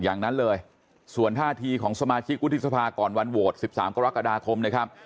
อย่างนั้นเลยส่วนท่าทีของสมาชิกวุฒิสภาก่อนวันโหวต๑๓กรกฎาคมนะครับ